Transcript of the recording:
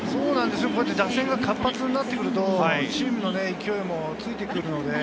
打線が活発になってくるとチームの勢いもついてくるので。